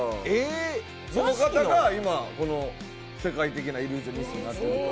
その方が今、世界的なイリュージョニストになってると。